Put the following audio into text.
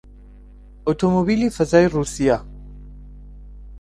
ئۆتۆمۆبیلی فەزای ڕووسیا